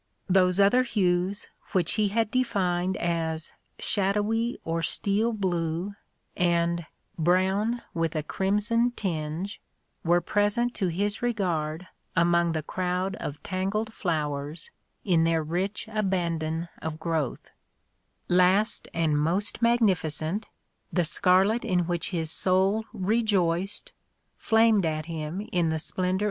Those other hues which he had defined as shadowy or steel blue," and "brown, with a crimson tinge" were present to his regard among the crowd of tangled flowers in their rich abandon of growth : last and most magnificent, the scarlet in which his soul rejoiced, flamed at him in the splendour of great poppies here and THE DAT DREAM.